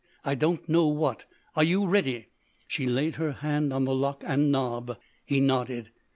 I don't know what. Are you ready?" She laid her hand on lock and knob. He nodded.